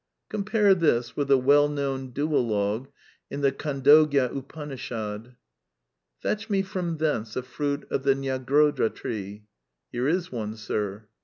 10.) Compare this with the well know!n duologue in the KhdndogyorUpanishad. *'' Fetch me from thence a fruit of the Nyagrodha tree.' "'Here is one. Sir.'